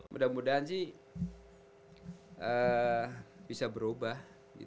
mudah mudahan sih bisa berubah